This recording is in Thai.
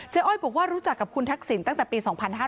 อ้อยบอกว่ารู้จักกับคุณทักษิณตั้งแต่ปี๒๕๕๙